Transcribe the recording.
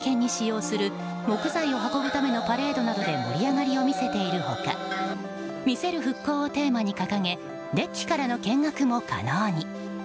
首里城再建に使用する木材を運ぶためのパレードなどで盛り上がりを見せている他見せる復興をテーマに掲げデッキからの見学も可能に。